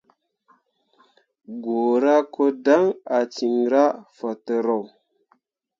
Guura ko dan ah cinra fatǝro.